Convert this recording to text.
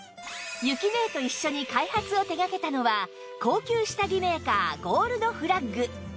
ゆきねえと一緒に開発を手がけたのは高級下着メーカーゴールドフラッグ